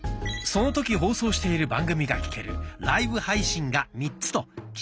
その時放送している番組が聴ける「ライブ配信」が３つと「聴き逃し配信」。